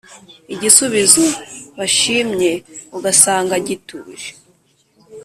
Igisubizo bashimye Ugasanga gituje